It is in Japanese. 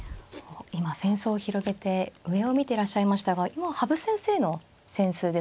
今扇子を広げて上を見てらっしゃいましたが羽生先生の扇子ですかね。